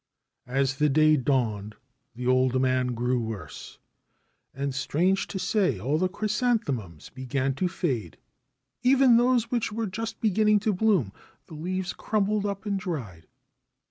As the day dawned the old man grew worse, and, strange to say, all the chrysanthemums began to fade — even those which were just beginning to bloom ;— the leaves crumpled up and dried.